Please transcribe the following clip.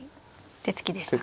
手つきでしたか。